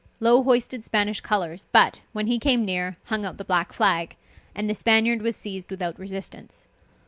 Low hoisted Spanish colors, but, when he came near, hung out the black flag, and the Spaniard was seized without resistance.